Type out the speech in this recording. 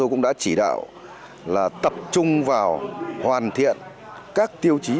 cũng đã chỉ đạo là tập trung vào hoàn thiện các tiêu chí